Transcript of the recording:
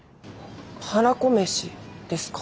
はらこ飯ですか？